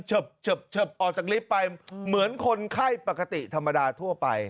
เฉิบเฉิบเฉิบออกจากลิฟต์ไปเหมือนคนไข้ปกติธรรมดาทั่วไป